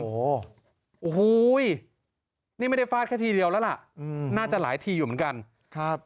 โอ้โหนี่ไม่ได้ฟาดแค่ทีเดียวแล้วล่ะน่าจะหลายทีอยู่เหมือนกันครับ